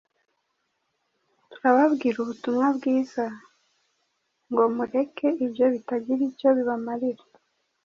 turababwira ubutumwa bwiza ngo mureke ibyo bitagira icyo bibamarira,